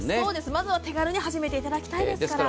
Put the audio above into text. まずは手軽に始めていただきたいですから。